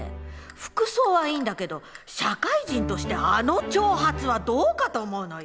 服装はいいんだけど社会人としてあの長髪はどうかと思うのよ。